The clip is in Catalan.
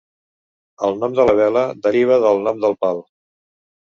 El nom de la vela deriva del nom del pal.